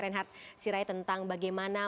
reinhard sirai tentang bagaimana